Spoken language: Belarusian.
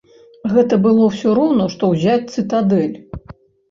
Гэта было ўсё роўна што ўзяць цытадэль.